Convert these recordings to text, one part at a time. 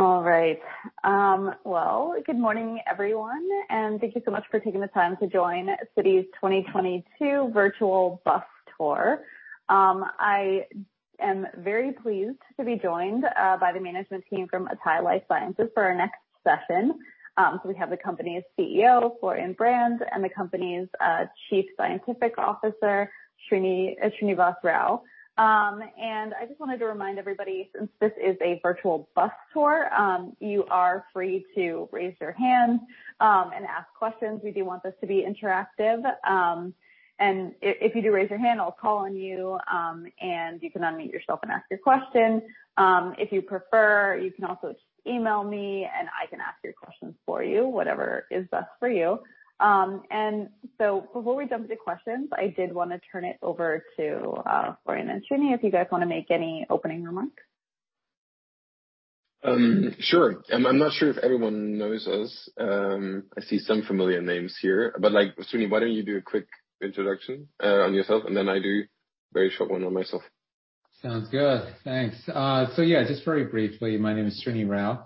All right. Good morning, everyone, and thank you so much for taking the time to join Citi's 2022 Virtual Bus Tour. I am very pleased to be joined by the management team from atai Life Sciences for our next session. We have the company's CEO, Florian Brand, and the company's Chief Scientific Officer, Srinivas Rao. I just wanted to remind everybody, since this is a virtual bus tour, you are free to raise your hand and ask questions. We do want this to be interactive. If you do raise your hand, I'll call on you, and you can unmute yourself and ask your question. If you prefer, you can also just email me, and I can ask your questions for you, whatever is best for you. Before we jump into questions, I did want to turn it over to Florian and Srinivas if you guys want to make any opening remarks. Sure. I'm not sure if everyone knows us. I see some familiar names here. Srinivas, why don't you do a quick introduction on yourself, and then I do a very short one on myself. Sounds good. Thanks. Yeah, just very briefly, my name is Srinivas Rao.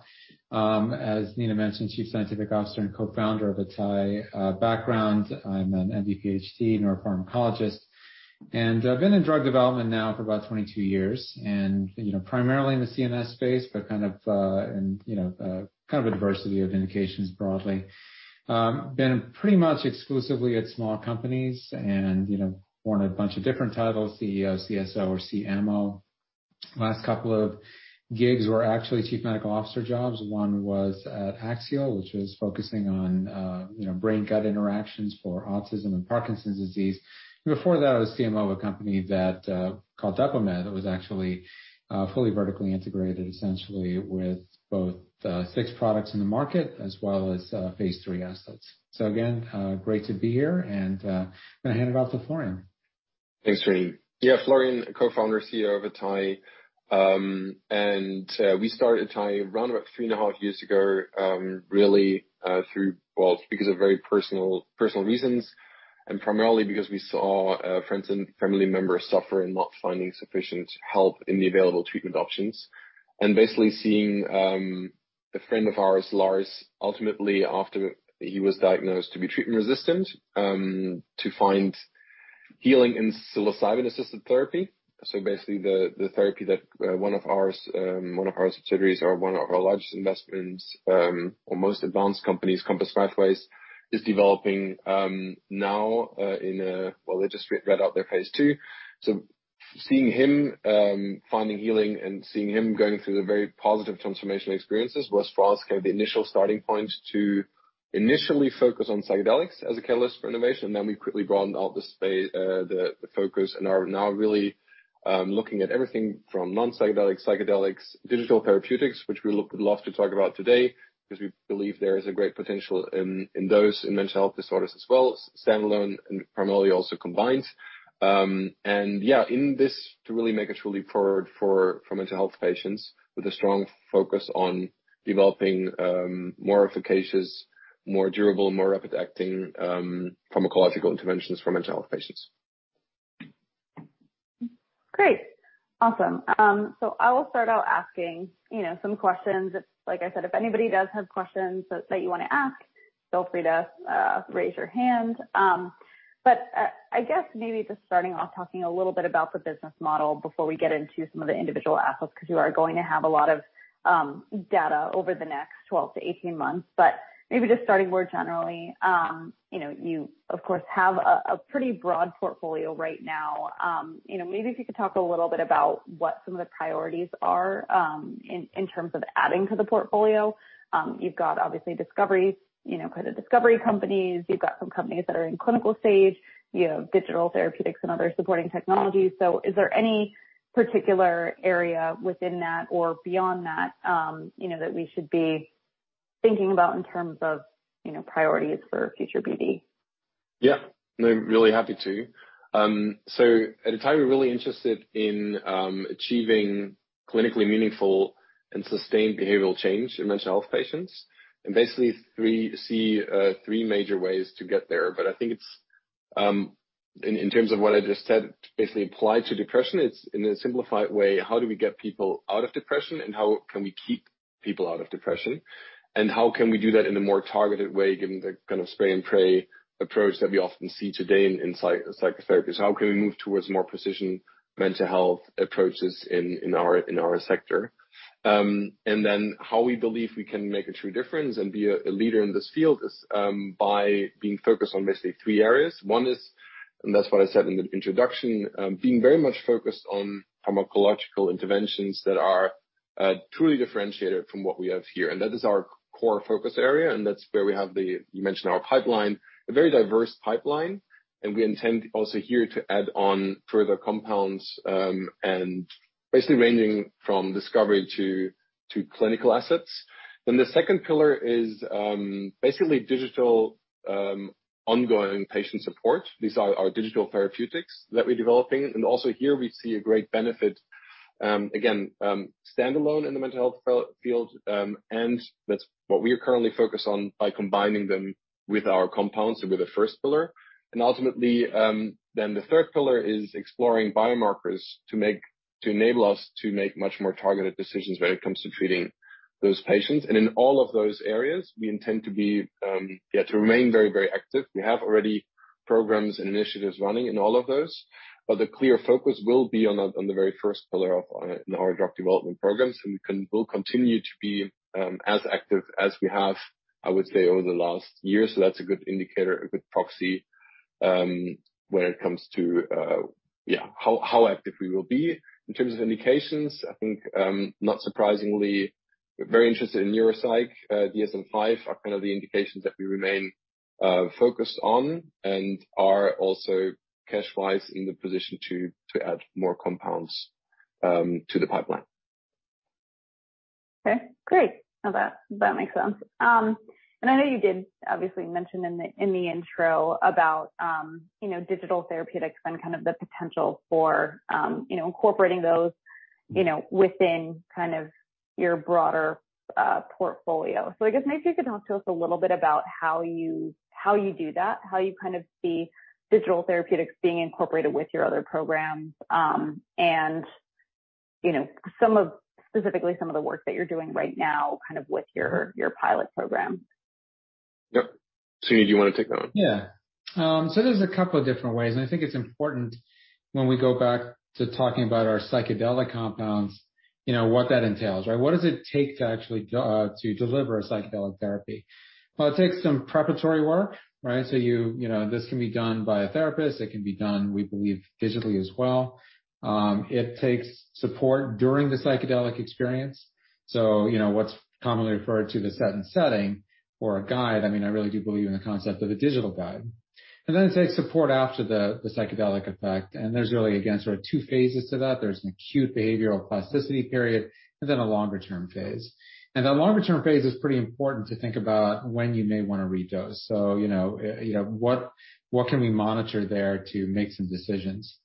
As Nina mentioned, Chief Scientific Officer and co-founder of atai. Background, I'm an MD/PhD, neuropharmacologist. I've been in drug development now for about 22 years, and primarily in the CNS space, but kind of in a diversity of indications broadly. Been pretty much exclusively at small companies and worn a bunch of different titles: CEO, CSO, or CMO. Last couple of gigs were actually Chief Medical Officer jobs. One was at Axial, which was focusing on brain-gut interactions for autism and Parkinson's disease. Before that, I was CMO of a company called DepoMed that was actually fully vertically integrated, essentially, with both six products in the market as well as phase III assets. Again, great to be here. I'm going to hand it off to Florian. Thanks, Srinivas. Yeah, Florian, co-founder, CEO of atai. We started atai around about three and a half years ago, really, because of very personal reasons, and primarily because we saw friends and family members suffer and not finding sufficient help in the available treatment options. Basically seeing a friend of ours, Lars, ultimately, after he was diagnosed to be treatment resistant, to find healing in psilocybin-assisted therapy. Basically, the therapy that one of our subsidiaries or one of our largest investments, or most advanced companies, Compass Pathways, is developing now in a, they just read out their phase II. Seeing him finding healing and seeing him going through the very positive transformational experiences was for us kind of the initial starting point to initially focus on psychedelics as a catalyst for innovation. We quickly broadened out the focus and are now really looking at everything from non-psychedelics, psychedelics, digital therapeutics, which we would love to talk about today because we believe there is a great potential in those in mental health disorders as well, standalone and primarily also combined. In this, to really make a truly forward for mental health patients with a strong focus on developing more efficacious, more durable, more rapid-acting pharmacological interventions for mental health patients. Great. Awesome. I will start out asking some questions. Like I said, if anybody does have questions that you want to ask, feel free to raise your hand. I guess maybe just starting off talking a little bit about the business model before we get into some of the individual assets because you are going to have a lot of data over the next 12 to 18 months. Maybe just starting more generally, you, of course, have a pretty broad portfolio right now. Maybe if you could talk a little bit about what some of the priorities are in terms of adding to the portfolio. You've got, obviously, discovery kind of discovery companies. You've got some companies that are in clinical stage. You have digital therapeutics and other supporting technologies. Is there any particular area within that or beyond that that we should be thinking about in terms of priorities for future BD? Yeah. I'm really happy to. At atai, we're really interested in achieving clinically meaningful and sustained behavioral change in mental health patients. Basically, see three major ways to get there. I think it's, in terms of what I just said, basically applied to depression, it's in a simplified way, how do we get people out of depression, and how can we keep people out of depression, and how can we do that in a more targeted way, given the kind of spray-and-pray approach that we often see today in psychotherapy? How can we move towards more precision mental health approaches in our sector? How we believe we can make a true difference and be a leader in this field is by being focused on basically three areas. One is, and that's what I said in the introduction, being very much focused on pharmacological interventions that are truly differentiated from what we have here. That is our core focus area. That is where we have the, you mentioned our pipeline, a very diverse pipeline. We intend also here to add on further compounds and basically ranging from discovery to clinical assets. The second pillar is basically digital ongoing patient support. These are our digital therapeutics that we're developing. Also here, we see a great benefit, again, standalone in the mental health field. That is what we are currently focused on by combining them with our compounds and with the first pillar. Ultimately, the third pillar is exploring biomarkers to enable us to make much more targeted decisions when it comes to treating those patients. In all of those areas, we intend to be, yeah, to remain very, very active. We have already programs and initiatives running in all of those. The clear focus will be on the very first pillar in our drug development programs. We will continue to be as active as we have, I would say, over the last year. That is a good indicator, a good proxy when it comes to, yeah, how active we will be. In terms of indications, I think, not surprisingly, we're very interested in Neuropsych. DSM-5 are kind of the indications that we remain focused on and are also cash-wise in the position to add more compounds to the pipeline. Okay. Great. That makes sense. I know you did obviously mention in the intro about digital therapeutics and kind of the potential for incorporating those within kind of your broader portfolio. I guess maybe you could talk to us a little bit about how you do that, how you kind of see digital therapeutics being incorporated with your other programs, and specifically some of the work that you're doing right now kind of with your pilot program. Yep. Srinivas, do you want to take that one? Yeah. So there's a couple of different ways. I think it's important when we go back to talking about our psychedelic compounds, what that entails, right? What does it take to actually deliver a psychedelic therapy? It takes some preparatory work, right? This can be done by a therapist. It can be done, we believe, digitally as well. It takes support during the psychedelic experience. What's commonly referred to as a setting or a guide, I mean, I really do believe in the concept of a digital guide. It takes support after the psychedelic effect. There's really, again, sort of two phases to that. There's an acute behavioral plasticity period, and then a longer-term phase. That longer-term phase is pretty important to think about when you may want to read those. What can we monitor there to make some decisions?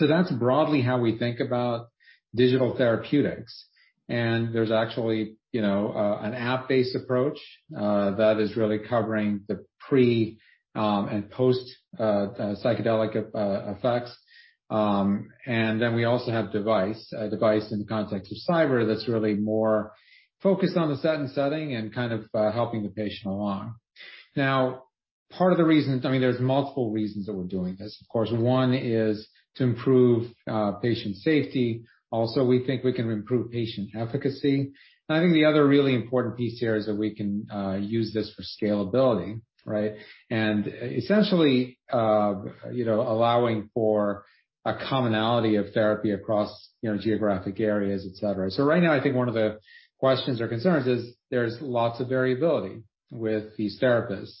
That's broadly how we think about digital therapeutics. There's actually an app-based approach that is really covering the pre and post-psychedelic effects. We also have a device in the context of Psyber that's really more focused on the setting and kind of helping the patient along. Part of the reason, I mean, there's multiple reasons that we're doing this. Of course, one is to improve patient safety. Also, we think we can improve patient efficacy. I think the other really important piece here is that we can use this for scalability, right? Essentially allowing for a commonality of therapy across geographic areas, etc. Right now, I think one of the questions or concerns is there's lots of variability with these therapists.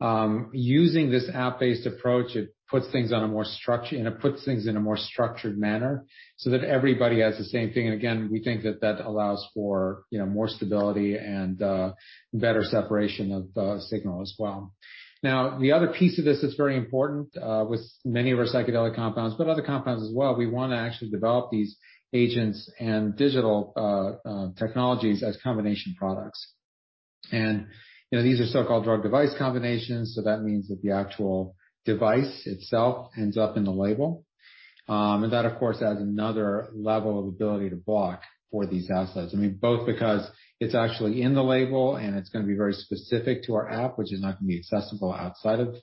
Using this app-based approach, it puts things on a more structured, and it puts things in a more structured manner so that everybody has the same thing. We think that that allows for more stability and better separation of the signal as well. Now, the other piece of this that's very important with many of our psychedelic compounds, but other compounds as well, we want to actually develop these agents and digital technologies as combination products. These are so-called drug-device combinations. That means that the actual device itself ends up in the label. That, of course, adds another level of ability to block for these assets. I mean, both because it's actually in the label, and it's going to be very specific to our app, which is not going to be accessible outside of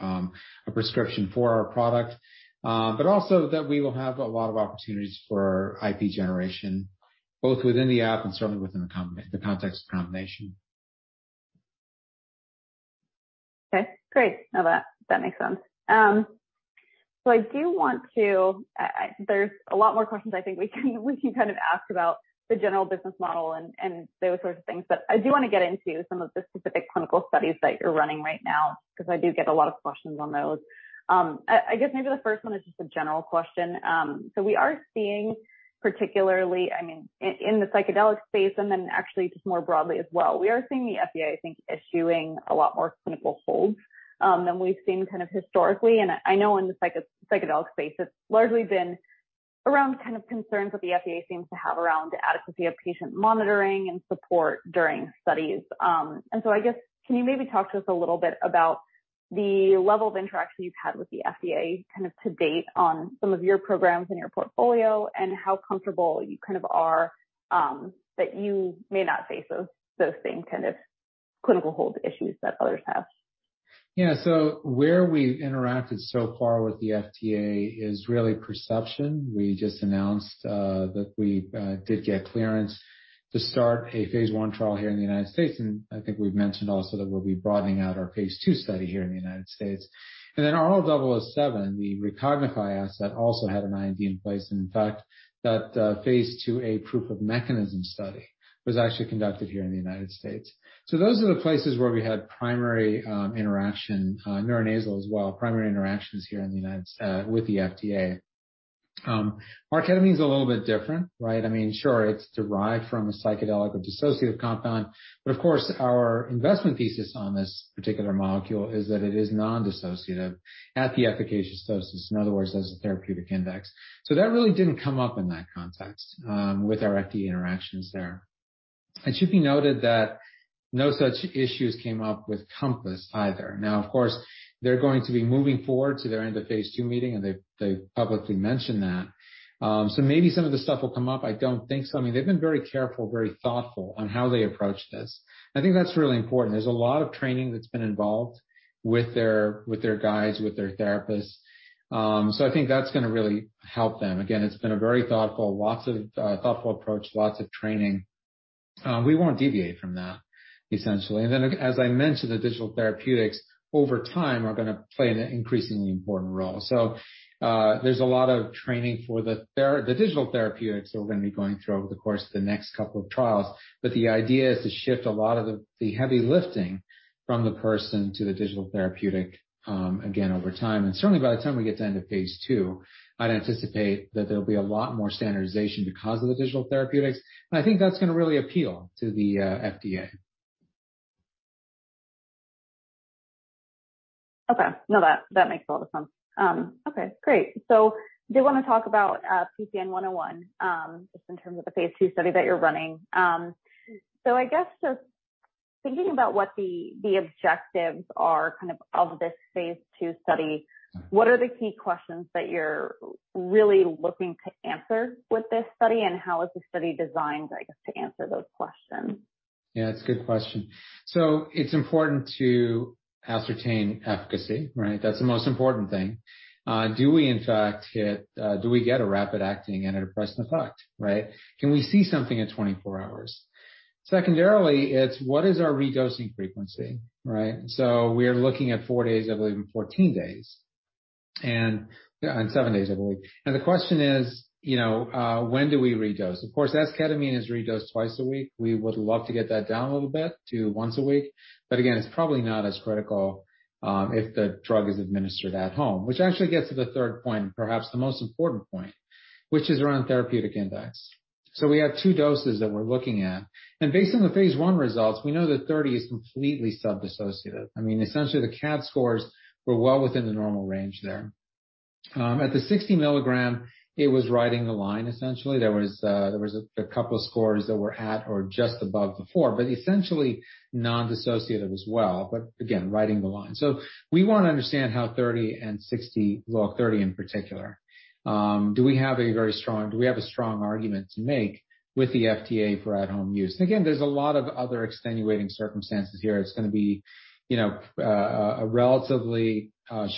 a prescription for our product, but also that we will have a lot of opportunities for IP generation, both within the app and certainly within the context of combination. Okay. Great. That makes sense. I do want to, there's a lot more questions I think we can kind of ask about the general business model and those sorts of things. I do want to get into some of the specific clinical studies that you're running right now because I do get a lot of questions on those. I guess maybe the first one is just a general question. We are seeing, particularly, I mean, in the psychedelic space and then actually just more broadly as well, we are seeing the FDA, I think, issuing a lot more clinical holds than we've seen kind of historically. I know in the psychedelic space, it's largely been around kind of concerns that the FDA seems to have around the adequacy of patient monitoring and support during studies. I guess, can you maybe talk to us a little bit about the level of interaction you've had with the FDA kind of to date on some of your programs and your portfolio and how comfortable you kind of are that you may not face those same kind of clinical hold issues that others have? Yeah. Where we've interacted so far with the FDA is really perception. We just announced that we did get clearance to start a phase I trial here in the United States. I think we've mentioned also that we'll be broadening out our phase II study here in the United States. RL-007, the Recognify asset, also had an IND in place. In fact, that phase II A Proof-of-Mechanism study was actually conducted here in the United States. Those are the places where we had primary interaction, neuronasal as well, primary interactions here with the FDA. Marketing is a little bit different, right? I mean, sure, it's derived from a psychedelic or dissociative compound. Of course, our investment thesis on this particular molecule is that it is non-dissociative at the efficacious doses, in other words, as a therapeutic index. That really didn't come up in that context with our FDA interactions there. It should be noted that no such issues came up with Compass either. Now, of course, they're going to be moving forward to their end of phase II meeting, and they publicly mentioned that. Maybe some of the stuff will come up. I don't think so. I mean, they've been very careful, very thoughtful on how they approach this. I think that's really important. There's a lot of training that's been involved with their guides, with their therapists. I think that's going to really help them. Again, it's been a very thoughtful, lots of thoughtful approach, lots of training. We won't deviate from that, essentially. As I mentioned, the digital therapeutics over time are going to play an increasingly important role. There is a lot of training for the digital therapeutics that we're going to be going through over the course of the next couple of trials. The idea is to shift a lot of the heavy lifting from the person to the digital therapeutic again over time. Certainly, by the time we get to end of phase II, I'd anticipate that there will be a lot more standardization because of the digital therapeutics. I think that's going to really appeal to the FDA. Okay. No, that makes a lot of sense. Okay. Great. I do want to talk about PCN-101 just in terms of the phase II study that you're running. I guess just thinking about what the objectives are kind of of this phase II study, what are the key questions that you're really looking to answer with this study, and how is the study designed, I guess, to answer those questions? Yeah, that's a good question. It is important to ascertain efficacy, right? That's the most important thing. Do we, in fact, get a rapid-acting antidepressant effect, right? Can we see something in 24 hours? Secondarily, it's what is our redosing frequency, right? We are looking at 4 days, I believe, and 14 days, and 7 days, I believe. The question is, when do we redose? Of course, esketamine is redosed twice a week. We would love to get that down a little bit to once a week. Again, it's probably not as critical if the drug is administered at home, which actually gets to the third point, perhaps the most important point, which is around therapeutic index. We have two doses that we're looking at. Based on the phase I results, we know the 30 mg dose is completely sub-dissociative. I mean, essentially, the CAD scores were well within the normal range there. At the 60 milligram, it was riding the line, essentially. There was a couple of scores that were at or just above the 4, but essentially non-dissociative as well, but again, riding the line. We want to understand how 30 mg and 60 mg look, 30 mg in particular. Do we have a very strong, do we have a strong argument to make with the FDA for at-home use? Again, there's a lot of other extenuating circumstances here. It's going to be a relatively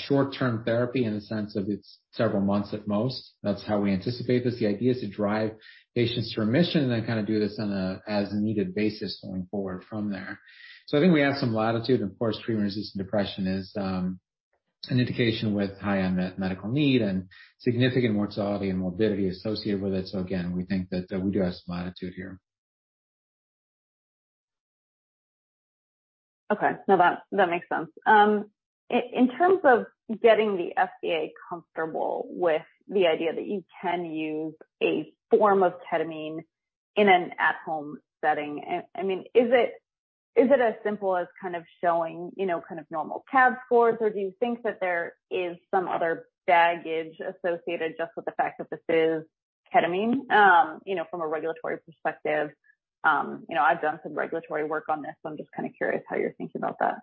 short-term therapy in the sense of it's several months at most. That's how we anticipate this. The idea is to drive patients to remission and then kind of do this on an as-needed basis going forward from there. I think we have some latitude. Of course, treatment-resistant depression is an indication with high unmet medical need and significant mortality and morbidity associated with it. Again, we think that we do have some latitude here. Okay. No, that makes sense. In terms of getting the FDA comfortable with the idea that you can use a form of ketamine in an at-home setting, I mean, is it as simple as kind of showing kind of normal CAD scores, or do you think that there is some other baggage associated just with the fact that this is ketamine from a regulatory perspective? I've done some regulatory work on this, so I'm just kind of curious how you're thinking about that.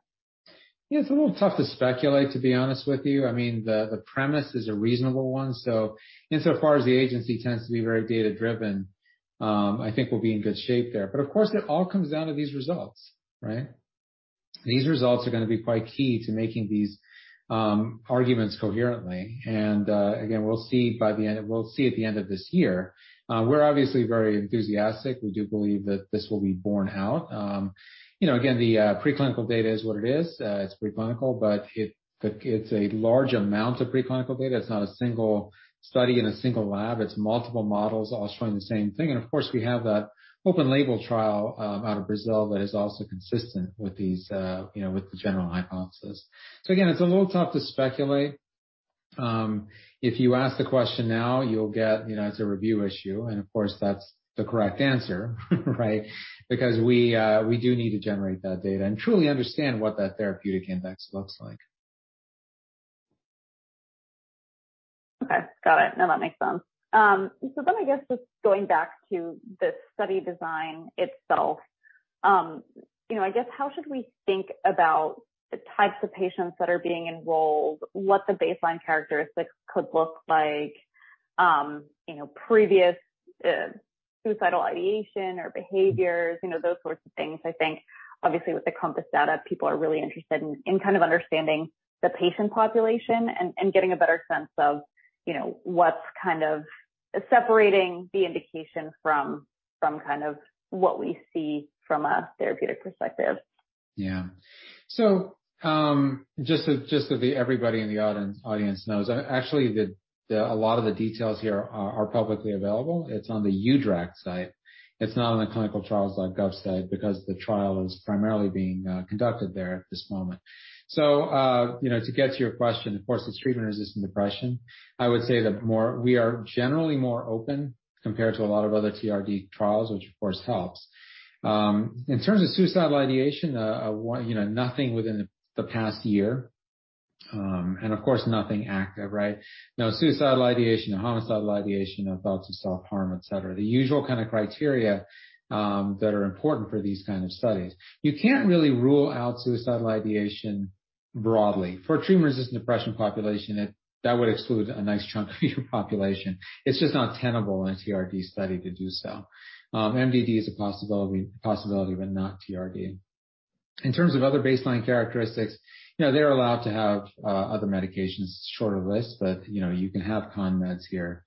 Yeah. It's a little tough to speculate, to be honest with you. I mean, the premise is a reasonable one. Insofar as the agency tends to be very data-driven, I think we'll be in good shape there. Of course, it all comes down to these results, right? These results are going to be quite key to making these arguments coherently. Again, we'll see at the end of this year. We're obviously very enthusiastic. We do believe that this will be borne out. Again, the preclinical data is what it is. It's preclinical, but it's a large amount of preclinical data. It's not a single study in a single lab. It's multiple models all showing the same thing. Of course, we have that open-label trial out of Brazil that is also consistent with the general hypothesis. Again, it's a little tough to speculate. If you ask the question now, you'll get it's a review issue. Of course, that's the correct answer, right? Because we do need to generate that data and truly understand what that therapeutic index looks like. Okay. Got it. No, that makes sense. I guess just going back to the study design itself, I guess how should we think about the types of patients that are being enrolled, what the baseline characteristics could look like, previous suicidal ideation or behaviors, those sorts of things? I think, obviously, with the Compass Data, people are really interested in kind of understanding the patient population and getting a better sense of what's kind of separating the indication from kind of what we see from a therapeutic perspective. Yeah. Just so that everybody in the audience knows, actually, a lot of the details here are publicly available. It's on the UDRAC site. It's not on the clinicaltrials.gov site because the trial is primarily being conducted there at this moment. To get to your question, of course, it's treatment-resistant depression. I would say that we are generally more open compared to a lot of other TRD trials, which of course helps. In terms of suicidal ideation, nothing within the past year. Of course, nothing active, right? No suicidal ideation, no homicidal ideation, no thoughts of self-harm, etc. The usual kind of criteria that are important for these kind of studies. You can't really rule out suicidal ideation broadly. For treatment-resistant depression population, that would exclude a nice chunk of your population. It's just not tenable in a TRD study to do so. MDD is a possibility, but not TRD. In terms of other baseline characteristics, they're allowed to have other medications. It's a shorter list, but you can have con meds here.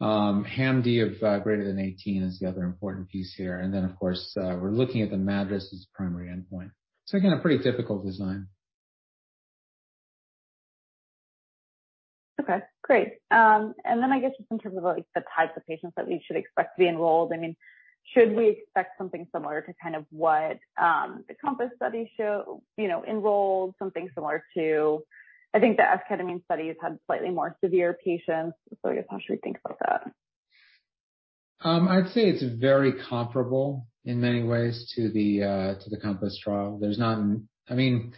HAM-D of greater than 18 is the other important piece here. Of course, we're looking at the MADRS as the primary endpoint. Again, a pretty typical design. Okay. Great. I guess just in terms of the types of patients that we should expect to be enrolled, I mean, should we expect something similar to kind of what the Compass Study showed? Enrolled something similar to I think the esketamine study has had slightly more severe patients. I guess how should we think about that? I'd say it's very comparable in many ways to the Compass Trial. I mean,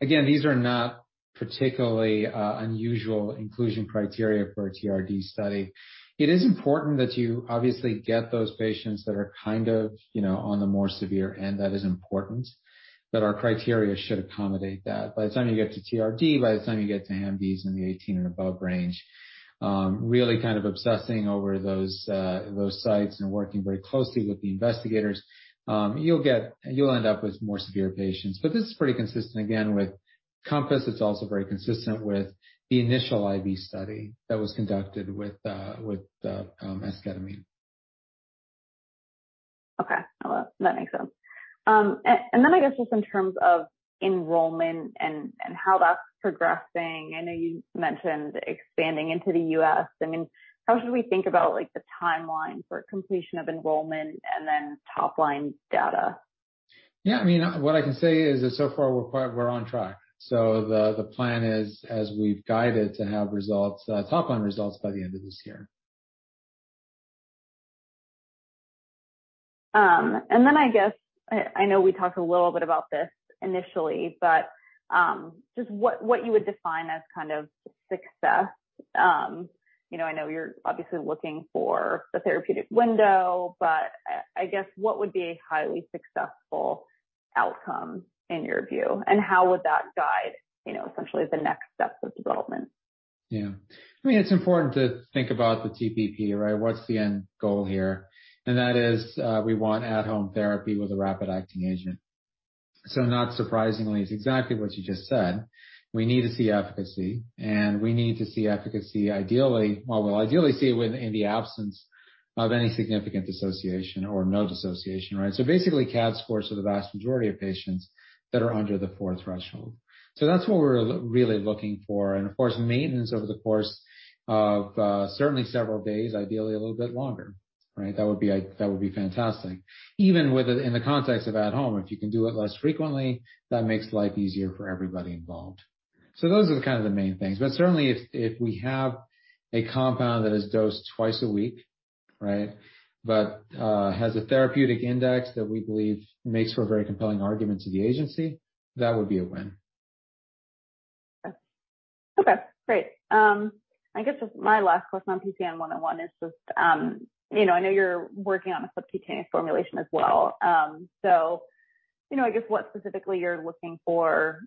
again, these are not particularly unusual inclusion criteria for a TRD study. It is important that you obviously get those patients that are kind of on the more severe end. That is important that our criteria should accommodate that. By the time you get to TRD, by the time you get to HAM-D's in the 18 and above range, really kind of obsessing over those sites and working very closely with the investigators, you'll end up with more severe patients. This is pretty consistent, again, with Compass. It's also very consistent with the initial IV study that was conducted with esketamine. Okay. No, that makes sense. I guess just in terms of enrollment and how that's progressing, I know you mentioned expanding into the U.S. I mean, how should we think about the timeline for completion of enrollment and then top-line data? Yeah. I mean, what I can say is that so far we're on track. The plan is, as we've guided, to have top-line results by the end of this year. I know we talked a little bit about this initially, but just what you would define as kind of success. I know you're obviously looking for the therapeutic window, but I guess what would be a highly successful outcome in your view? How would that guide essentially the next steps of development? Yeah. I mean, it's important to think about the TPP, right? What's the end goal here? That is we want at-home therapy with a rapid-acting agent. Not surprisingly, it's exactly what you just said. We need to see efficacy, and we need to see efficacy ideally, we'll ideally see it in the absence of any significant dissociation or no dissociation, right? Basically, CAD scores for the vast majority of patients that are under the 4 threshold. That's what we're really looking for. Of course, maintenance over the course of certainly several days, ideally a little bit longer, right? That would be fantastic. Even in the context of at home, if you can do it less frequently, that makes life easier for everybody involved. Those are kind of the main things. Certainly, if we have a compound that is dosed twice a week, right, but has a therapeutic index that we believe makes for a very compelling argument to the agency, that would be a win. Okay. Okay. Great. I guess just my last question on PCN-101 is just I know you're working on a subcutaneous formulation as well. I guess what specifically you're looking for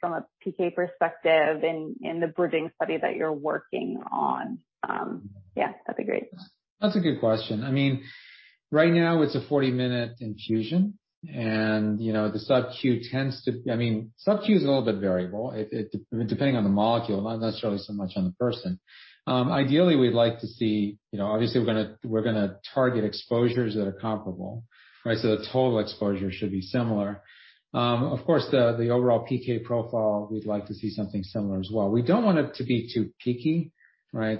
from a PK perspective in the bridging study that you're working on? Yeah. That'd be great. That's a good question. I mean, right now, it's a 40-minute infusion. The subQ tends to, I mean, subQ is a little bit variable, depending on the molecule, not necessarily so much on the person. Ideally, we'd like to see, obviously, we're going to target exposures that are comparable, right? The total exposure should be similar. Of course, the overall PK profile, we'd like to see something similar as well. We don't want it to be too peaky, right?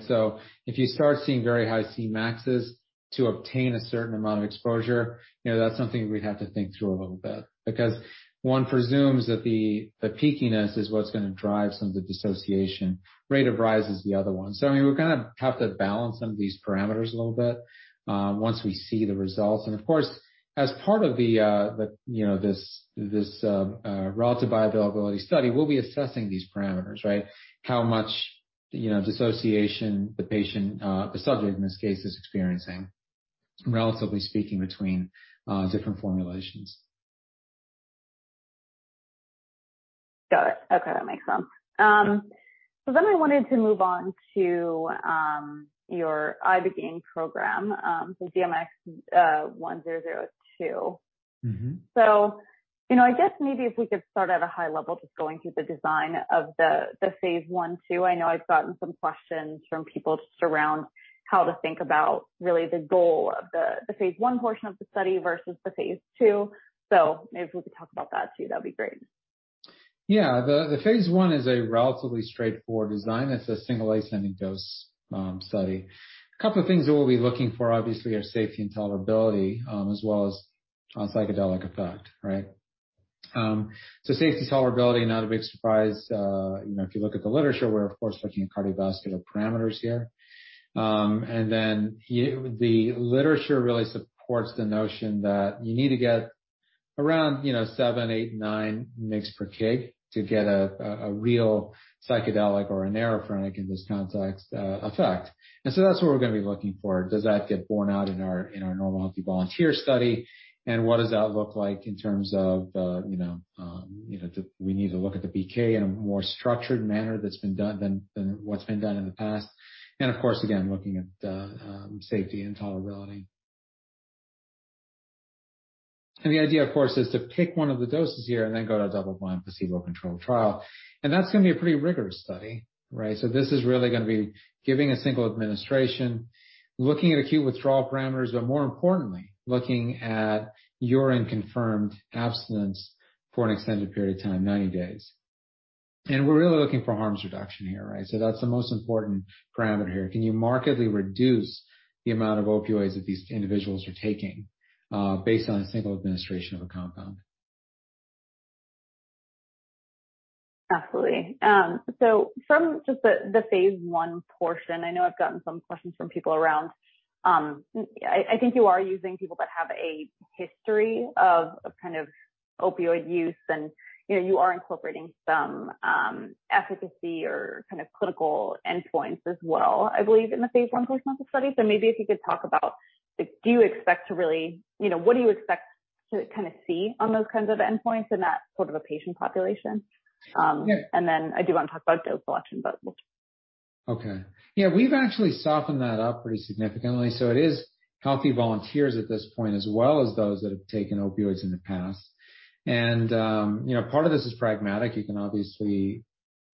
If you start seeing very high Cmaxes to obtain a certain amount of exposure, that's something we'd have to think through a little bit because one presumes that the peakiness is what's going to drive some of the dissociation. Rate of rise is the other one. I mean, we kind of have to balance some of these parameters a little bit once we see the results. Of course, as part of this relative bioavailability study, we'll be assessing these parameters, right? How much dissociation the patient, the subject in this case, is experiencing, relatively speaking, between different formulations. Got it. Okay. That makes sense. I wanted to move on to your ibogaine program, so DMX-1002. I guess maybe if we could start at a high level, just going through the design of the phase I, phase II. I know I've gotten some questions from people just around how to think about really the goal of the phase I portion of the study versus the phase II. Maybe if we could talk about that too, that'd be great. Yeah. The phase I is a relatively straightforward design. It's a single-ascend dose study. A couple of things that we'll be looking for, obviously, are safety and tolerability as well as psychedelic effect, right? Safety, tolerability, not a big surprise. If you look at the literature, we're, of course, looking at cardiovascular parameters here. The literature really supports the notion that you need to get around 7-9 mg/kg to get a real psychedelic or an entheogenic in this context effect. That's what we're going to be looking for. Does that get borne out in our normal healthy volunteer study? What does that look like in terms of we need to look at the PK in a more structured manner than what's been done in the past? Of course, again, looking at safety and tolerability. The idea, of course, is to pick one of the doses here and then go to a double-blind, placebo-controlled trial. That is going to be a pretty rigorous study, right? This is really going to be giving a single administration, looking at acute withdrawal parameters, but more importantly, looking at urine-confirmed abstinence for an extended period of time, 90 days. We are really looking for harms reduction here, right? That is the most important parameter here. Can you markedly reduce the amount of opioids that these individuals are taking based on a single administration of a compound? Absolutely. From just the phase I portion, I know I've gotten some questions from people around. I think you are using people that have a history of kind of opioid use, and you are incorporating some efficacy or kind of clinical endpoints as well, I believe, in the phase I portion of the study. Maybe if you could talk about do you expect to really what do you expect to kind of see on those kinds of endpoints in that sort of a patient population? I do want to talk about dose selection, but we'll. Okay. Yeah. We've actually softened that up pretty significantly. It is healthy volunteers at this point as well as those that have taken opioids in the past. Part of this is pragmatic. You can obviously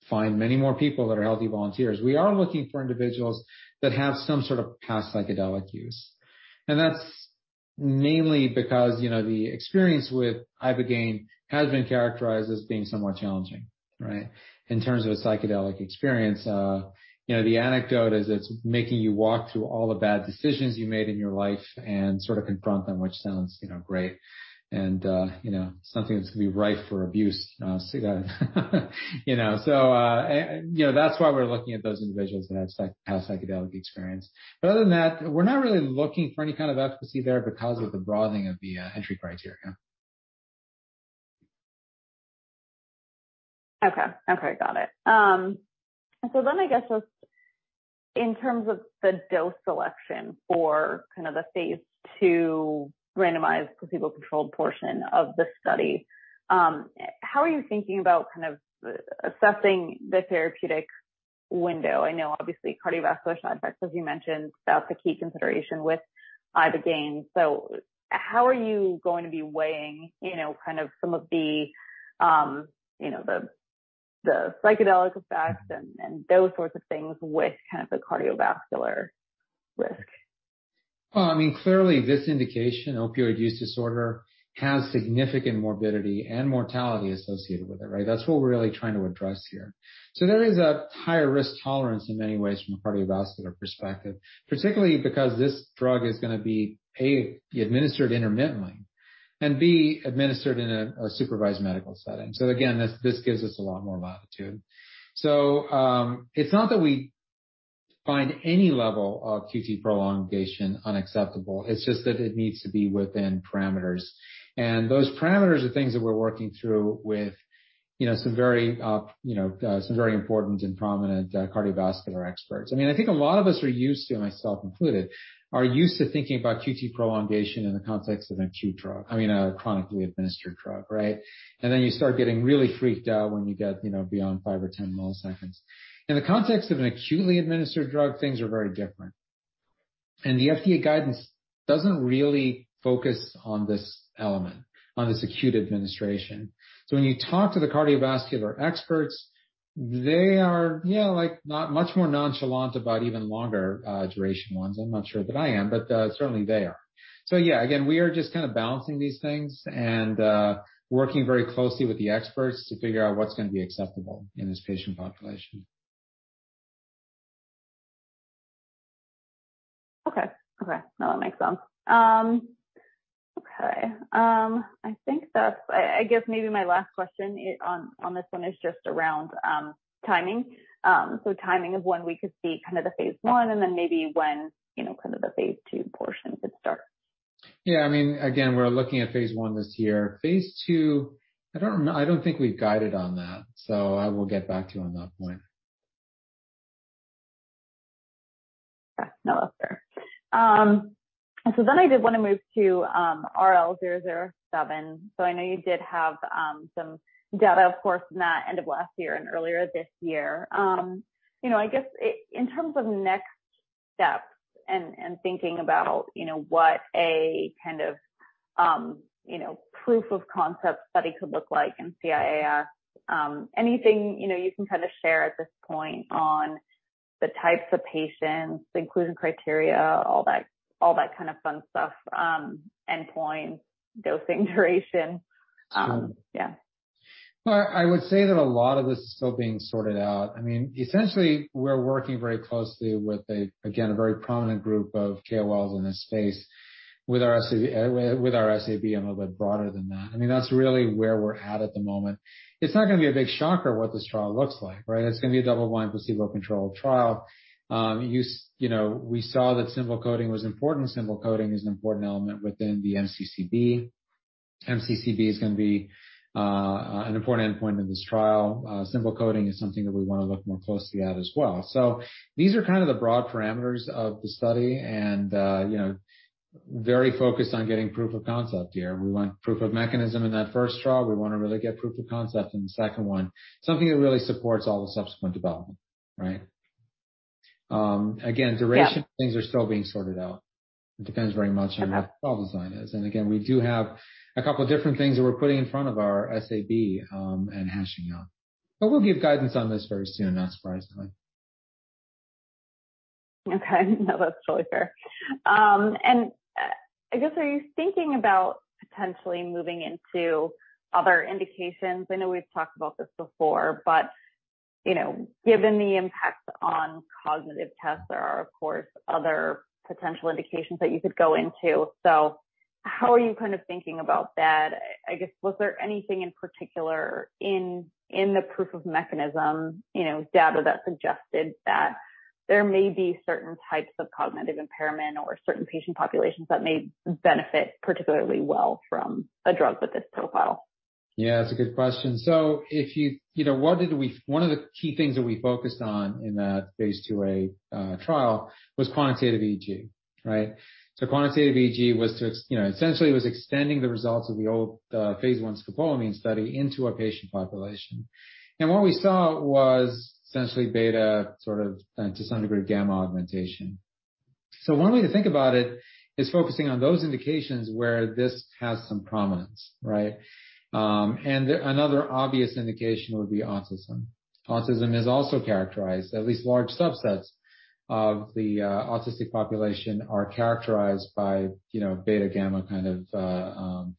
find many more people that are healthy volunteers. We are looking for individuals that have some sort of past psychedelic use. That's mainly because the experience with ibogaine has been characterized as being somewhat challenging, right? In terms of a psychedelic experience, the anecdote is it's making you walk through all the bad decisions you made in your life and sort of confront them, which sounds great. It's something that's going to be rife for abuse. That's why we're looking at those individuals that have had psychedelic experience. Other than that, we're not really looking for any kind of efficacy there because of the broadening of the entry criteria. Okay. Okay. Got it. Just in terms of the dose selection for the phase II randomized placebo-controlled portion of the study, how are you thinking about assessing the therapeutic window? I know, obviously, cardiovascular side effects, as you mentioned, that's a key consideration with ibogaine. How are you going to be weighing some of the psychedelic effects and those sorts of things with the cardiovascular risk? I mean, clearly, this indication, opioid use disorder, has significant morbidity and mortality associated with it, right? That's what we're really trying to address here. There is a higher risk tolerance in many ways from a cardiovascular perspective, particularly because this drug is going to be, A, administered intermittently, and B, administered in a supervised medical setting. Again, this gives us a lot more latitude. It's not that we find any level of QT prolongation unacceptable. It just needs to be within parameters. Those parameters are things that we're working through with some very important and prominent cardiovascular experts. I mean, I think a lot of us are used to, myself included, thinking about QT prolongation in the context of an acute drug, I mean, a chronically administered drug, right? You start getting really freaked out when you get beyond 5 or 10 milliseconds. In the context of an acutely administered drug, things are very different. The FDA guidance does not really focus on this element, on this acute administration. When you talk to the cardiovascular experts, they are, yeah, much more nonchalant about even longer duration ones. I'm not sure that I am, but certainly they are. Yeah, again, we are just kind of balancing these things and working very closely with the experts to figure out what's going to be acceptable in this patient population. Okay. Okay. No, that makes sense. Okay. I guess maybe my last question on this one is just around timing. Timing of when we could see kind of the phase I and then maybe when kind of the phase II portion could start. Yeah. I mean, again, we're looking at phase I this year. Phase II, I don't think we've guided on that. I will get back to you on that point. Okay. No, that's fair. I did want to move to RL-007. I know you did have some data, of course, in that end of last year and earlier this year. I guess in terms of next steps and thinking about what a kind of Proof-of-Concept study could look like in CIAS, anything you can kind of share at this point on the types of patients, the inclusion criteria, all that kind of fun stuff, endpoints, dosing duration? Yeah. I would say that a lot of this is still being sorted out. I mean, essentially, we're working very closely with, again, a very prominent group of KOLs in this space with our SAB and a little bit broader than that. I mean, that's really where we're at at the moment. It's not going to be a big shocker what this trial looks like, right? It's going to be a double-blind placebo-controlled trial. We saw that simple coding was important. Simple coding is an important element within the MCCB. MCCB is going to be an important endpoint in this trial. Simple coding is something that we want to look more closely at as well. These are kind of the broad parameters of the study and very focused on getting Proof-of-Concept here. We want Proof-of-Mechanism in that first trial. We want to really get Proof-of-Concept in the second one, something that really supports all the subsequent development, right? Again, duration things are still being sorted out. It depends very much on how the trial design is. Again, we do have a couple of different things that we're putting in front of our SAB and hashing out. We'll give guidance on this very soon, not surprisingly. Okay. No, that's totally fair. I guess are you thinking about potentially moving into other indications? I know we've talked about this before, but given the impact on cognitive tests, there are, of course, other potential indications that you could go into. How are you kind of thinking about that? I guess was there anything in particular in the Proof-of-Mechanism data that suggested that there may be certain types of cognitive impairment or certain patient populations that may benefit particularly well from a drug with this profile? Yeah. That's a good question. If you, what did we, one of the key things that we focused on in that phase II A trial was quantitative EEG, right? Quantitative EEG was to essentially, it was extending the results of the old phase I scopolamine study into a patient population. What we saw was essentially beta, sort of to some degree gamma, augmentation. One way to think about it is focusing on those indications where this has some prominence, right? Another obvious indication would be autism. Autism is also characterized, at least large subsets of the autistic population are characterized by beta-gamma kind of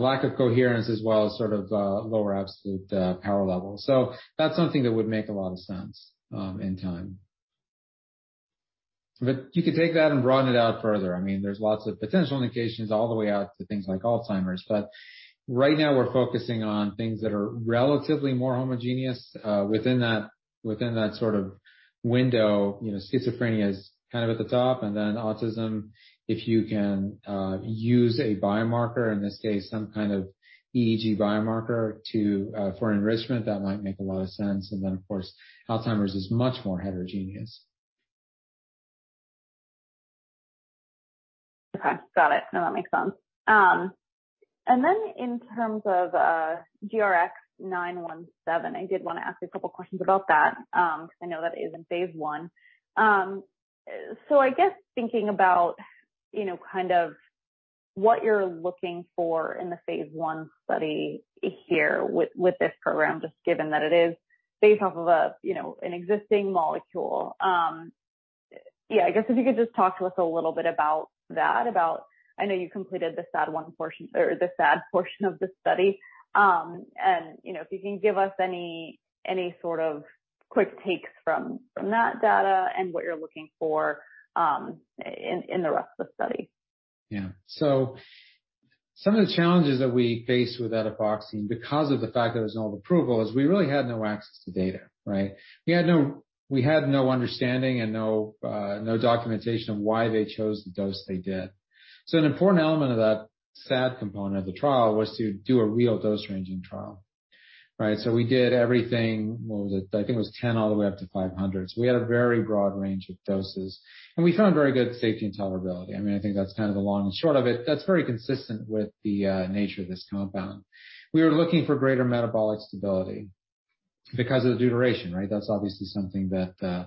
lack of coherence as well as sort of lower absolute power level. That's something that would make a lot of sense in time. You could take that and broaden it out further. I mean, there's lots of potential indications all the way out to things like Alzheimer's. Right now, we're focusing on things that are relatively more homogeneous within that sort of window. Schizophrenia is kind of at the top. Then autism, if you can use a biomarker, in this case, some kind of EEG biomarker for enrichment, that might make a lot of sense. Of course, Alzheimer's is much more heterogeneous. Okay. Got it. No, that makes sense. In terms of GRX-917, I did want to ask a couple of questions about that because I know that is in phase I. I guess thinking about kind of what you're looking for in the phase I study here with this program, just given that it is based off of an existing molecule, yeah, I guess if you could just talk to us a little bit about that. I know you completed the SAD portion of the study. If you can give us any sort of quick takes from that data and what you're looking for in the rest of the study. Yeah. Some of the challenges that we faced with etifoxine because of the fact that it was an old approval is we really had no access to data, right? We had no understanding and no documentation of why they chose the dose they did. An important element of that SAD component of the trial was to do a real dose ranging trial, right? We did everything; I think it was 10 all the way up to 500. We had a very broad range of doses. We found very good safety and tolerability. I mean, I think that's kind of the long and short of it. That's very consistent with the nature of this compound. We were looking for greater metabolic stability because of the duration, right? That's obviously something that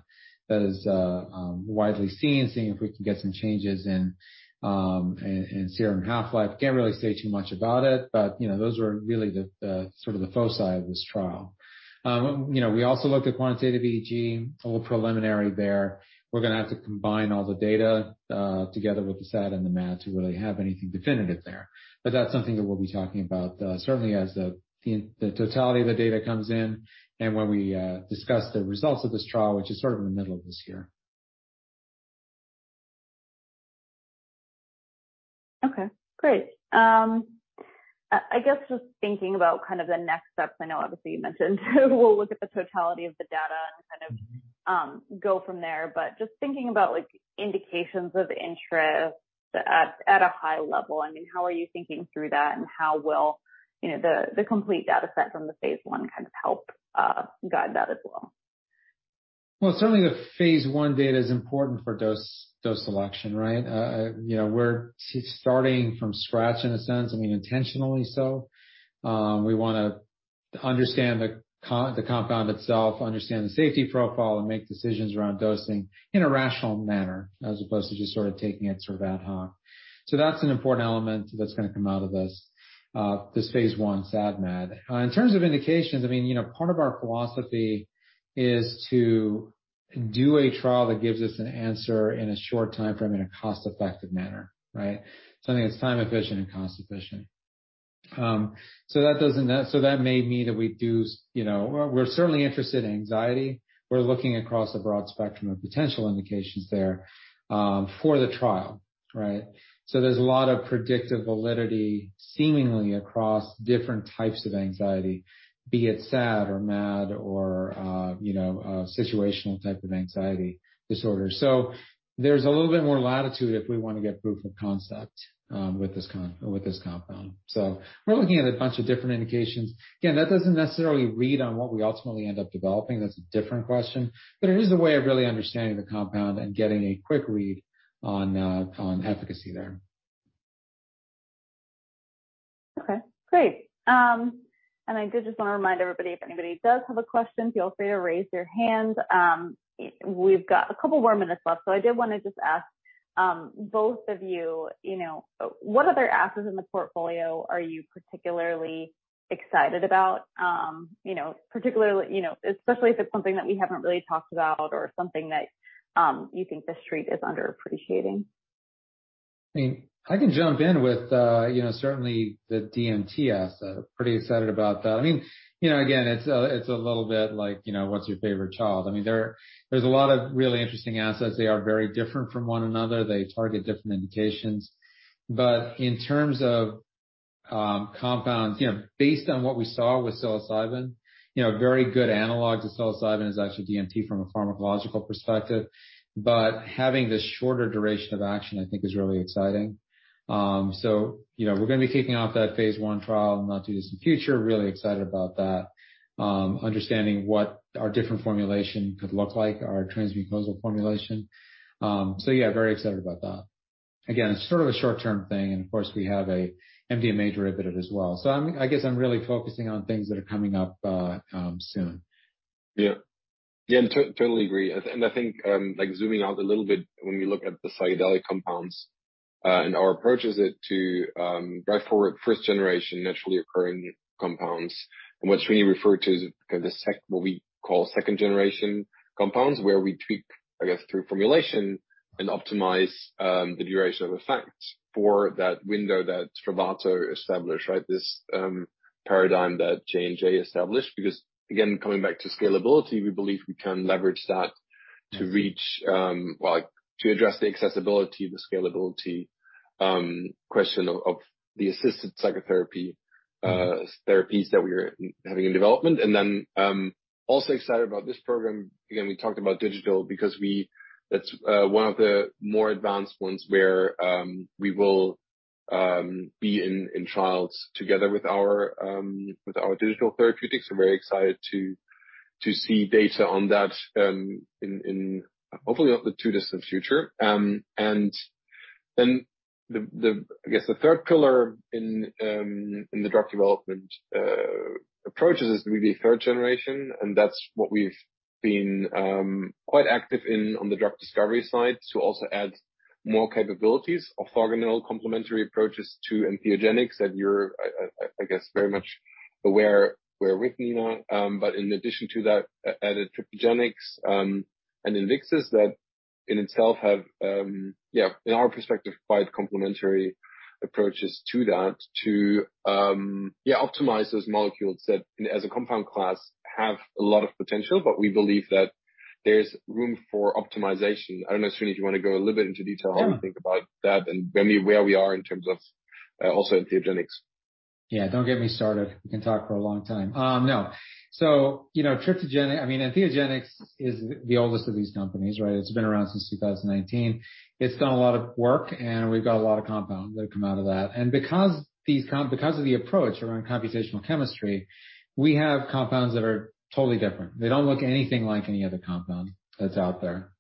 is widely seen, seeing if we can get some changes in serum half-life. Can't really say too much about it, but those were really sort of the foci of this trial. We also looked at quantitative EEG, a little preliminary there. We're going to have to combine all the data together with the SAD and the MAD to really have anything definitive there. That's something that we'll be talking about, certainly as the totality of the data comes in and when we discuss the results of this trial, which is sort of in the middle of this year. Okay. Great. I guess just thinking about kind of the next steps, I know obviously you mentioned we'll look at the totality of the data and kind of go from there. Just thinking about indications of interest at a high level, I mean, how are you thinking through that and how will the complete data set from the phase I kind of help guide that as well? Certainly the phase I data is important for dose selection, right? We're starting from scratch in a sense, I mean, intentionally so. We want to understand the compound itself, understand the safety profile, and make decisions around dosing in a rational manner as opposed to just sort of taking it sort of ad hoc. That's an important element that's going to come out of this phase I SAD/MAD. In terms of indications, I mean, part of our philosophy is to do a trial that gives us an answer in a short timeframe in a cost-effective manner, right? Something that's time-efficient and cost-efficient. That may mean that we do—we're certainly interested in anxiety. We're looking across a broad spectrum of potential indications there for the trial, right? There is a lot of predictive validity seemingly across different types of anxiety, be it SAD or MAD or situational type of anxiety disorder. There is a little bit more latitude if we want to get Proof-of-Concept with this compound. We are looking at a bunch of different indications. Again, that does not necessarily read on what we ultimately end up developing. That is a different question. It is a way of really understanding the compound and getting a quick read on efficacy there. Okay. Great. I did just want to remind everybody, if anybody does have a question, feel free to raise your hand. We've got a couple more minutes left. I did want to just ask both of you, what other assets in the portfolio are you particularly excited about, especially if it's something that we haven't really talked about or something that you think the street is underappreciating? I mean, I can jump in with certainly the DMT asset. Pretty excited about that. I mean, again, it's a little bit like, what's your favorite child? I mean, there's a lot of really interesting assets. They are very different from one another. They target different indications. In terms of compounds, based on what we saw with psilocybin, a very good analog to psilocybin is actually DMT from a pharmacological perspective. Having this shorter duration of action, I think, is really exciting. We're going to be kicking off that phase I trial and not do this in the future. Really excited about that, understanding what our different formulation could look like, our transmucosal formulation. Yeah, very excited about that. Again, it's sort of a short-term thing. Of course, we have an MDMA derivative as well. I guess I'm really focusing on things that are coming up soon. Yeah. Yeah. Totally agree. I think zooming out a little bit when we look at the psychedelic compounds and our approach is to drive forward first-generation naturally occurring compounds. What Srini referred to is kind of what we call second-generation compounds where we tweak, I guess, through formulation and optimize the duration of effect for that window that Spravato established, right? This paradigm that J&J established. Because again, coming back to scalability, we believe we can leverage that to address the accessibility, the scalability question of the assisted psychotherapy therapies that we are having in development. I am also excited about this program. Again, we talked about digital because that's one of the more advanced ones where we will be in trials together with our digital therapeutics. Very excited to see data on that in hopefully not the too distant future. I guess the third pillar in the drug development approaches is to be third-generation. That is what we have been quite active in on the drug discovery side to also add more capabilities, orthogonal complementary approaches to EntheogeniX that you are, I guess, very much aware we are with Nina. In addition to that, added TryptageniX and Invyxis that in itself have, yeah, in our perspective, quite complementary approaches to that to, yeah, optimize those molecules that as a compound class have a lot of potential, but we believe that there is room for optimization. I do not know, Srini, if you want to go a little bit into detail how you think about that and where we are in terms of also EntheogeniX. Yeah. Don't get me started. We can talk for a long time. No. TryptageniX, I mean, EntheogeniX is the oldest of these companies, right? It's been around since 2019. It's done a lot of work, and we've got a lot of compounds that have come out of that. Because of the approach around computational chemistry, we have compounds that are totally different. They don't look anything like any other compound that's out there.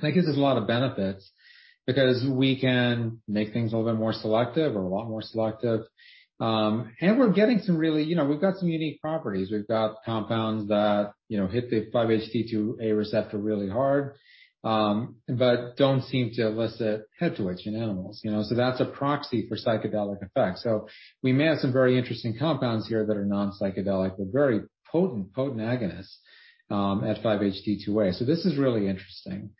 That gives us a lot of benefits because we can make things a little bit more selective or a lot more selective. We're getting some really, we've got some unique properties. We've got compounds that hit the 5-HT2A receptor really hard but don't seem to elicit head twitch in animals. That's a proxy for psychedelic effects. We may have some very interesting compounds here that are non-psychedelic but very potent agonists at 5-HT2A. This is really interesting.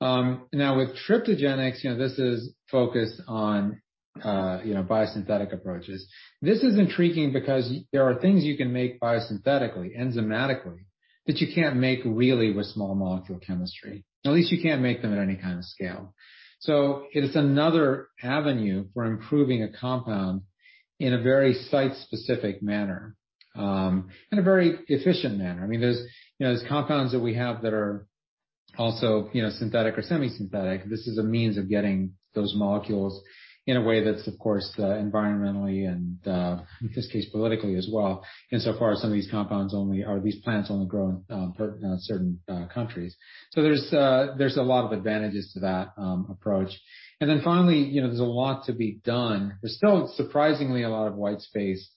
Now, with TryptageniX, this is focused on biosynthetic approaches. This is intriguing because there are things you can make biosynthetically, enzymatically, that you can't make really with small molecule chemistry. At least you can't make them at any kind of scale. It is another avenue for improving a compound in a very site-specific manner and a very efficient manner. I mean, there are compounds that we have that are also synthetic or semi-synthetic. This is a means of getting those molecules in a way that's, of course, environmentally and, in this case, politically as well. Insofar as some of these compounds or these plants only grow in certain countries. There are a lot of advantages to that approach. Finally, there is a lot to be done. is still surprisingly a lot of white space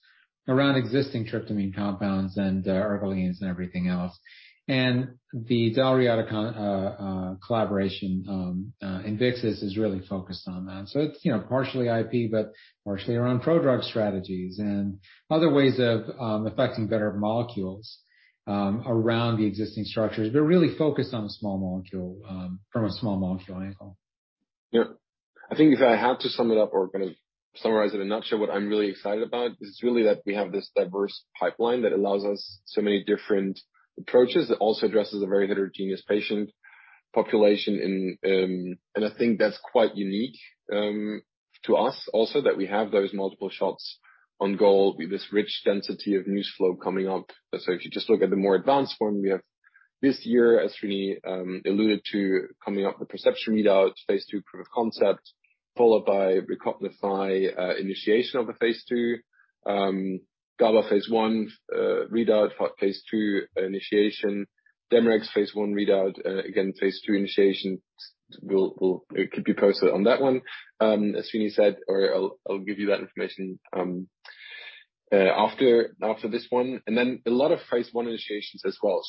around existing tryptamine compounds and ergolines and everything else. The Dalry-Adda collaboration Invyxis is really focused on that. It is partially IP but partially around pro-drug strategies and other ways of affecting better molecules around the existing structures. We are really focused on a small molecule from a small molecule angle. Yeah. I think if I had to sum it up or kind of summarize it in a nutshell, what I'm really excited about is really that we have this diverse pipeline that allows us so many different approaches that also addresses a very heterogeneous patient population. I think that's quite unique to us also that we have those multiple shots on goal, this rich density of news flow coming up. If you just look at the more advanced one, we have this year, as Srini alluded to, coming up with the perception readout, phase II Proof-of-Concept, followed by Recognify initiation of a phase II, GABA phase I readout, phase II initiation, DemeRX phase I readout, again, phase II initiation. We'll keep you posted on that one, as Srini said, or I'll give you that information after this one. There are a lot of phase I initiations as well.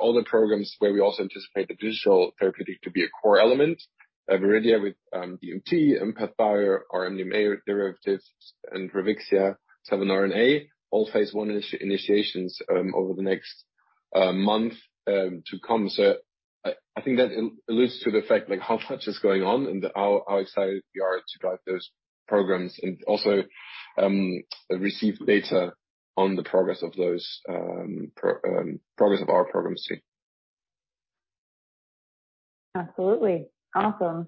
All the programs where we also anticipate the digital therapeutic to be a core element, Viridia with DMT, EmpathBio, our MDMA derivatives, and Revixia, Salvinorin A, all phase I initiations over the next month to come. I think that alludes to the fact how much is going on and how excited we are to drive those programs and also receive data on the progress of those programs too. Absolutely. Awesome.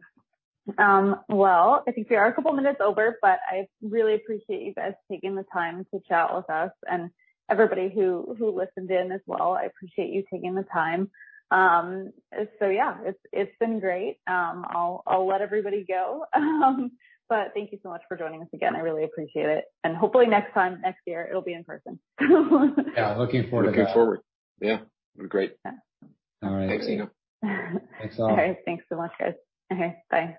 I think we are a couple of minutes over, but I really appreciate you guys taking the time to chat with us. Everybody who listened in as well, I appreciate you taking the time. Yeah, it's been great. I'll let everybody go. Thank you so much for joining us again. I really appreciate it. Hopefully next time, next year, it'll be in person. Yeah. Looking forward to that. Looking forward. Yeah. Great. All right. Thanks, Nina. Thanks, all. All right. Thanks so much, guys. Okay. Bye.